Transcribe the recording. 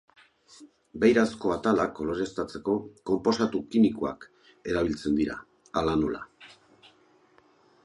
Beirazko atalak koloreztatzeko konposatu kimikoak erabiltzen dira, hala nola.